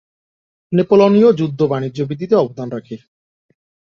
নেপোলনীয় যুদ্ধ বাণিজ্য বৃদ্ধিতে অবদান রাখে।